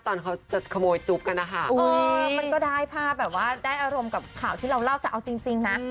มันก็ได้ภาพอะไรว่าได้อารมณ์กับข่าวที่เราเล่าจักเอาจริงนะ